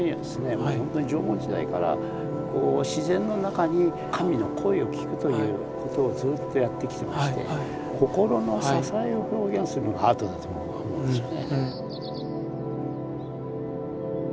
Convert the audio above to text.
もうほんとに縄文時代から自然の中に神の声を聴くということをずっとやってきてまして心の支えを表現するのがアートだと僕は思うんですよね。